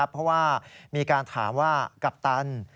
เพราะว่ามีการถามว่ากัปตัน